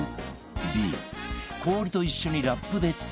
Ｂ 氷と一緒にラップで包む